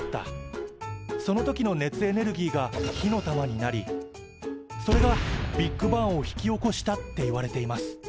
その時の熱エネルギーが火の玉になりそれがビッグバンを引き起こしたっていわれています。